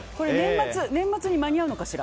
年末に間に合うのかしら。